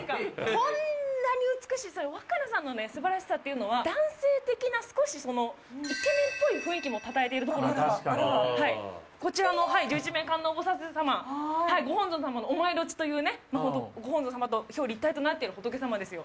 こんなに美しい若菜さんのね素晴らしさっていうのは男性的な少しそのもたたえているところこちらの十一面観音様ご本尊様のお前立ちというねホントご本尊様と表裏一体となっている仏様ですよ